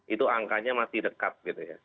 itu angkanya masih dekat gitu ya